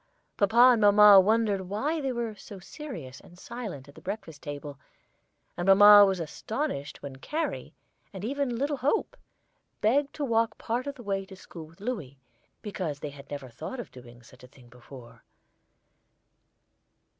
Papa and mamma wondered why they were so serious and silent at the breakfast table, and mamma was astonished when Carrie, and even little Hope, begged to walk part of the way to school with Louis, because they had never thought of doing such a thing before.